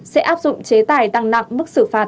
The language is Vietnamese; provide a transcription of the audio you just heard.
sẽ áp dụng chế tài tăng nặng mức xử phạt